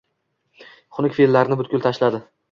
Xunuk feʼllarini butkul tashladi.